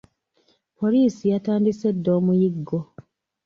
Poliisi yatandise dda omuyiggo.